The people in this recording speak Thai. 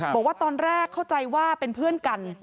บอกว่าตอนแรกเข้าใจว่าเป็นเพื่อนกัน